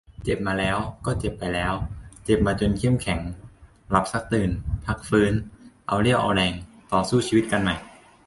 เจ็บมาแล้ว ก็เจ็บไปแล้ว เจ็บมาจนเข้มแข็ง. หลับซักตื่น พักฟื้น เอาเรี่ยวเอาแรง ต่อสู้ชีวิตกันใหม่.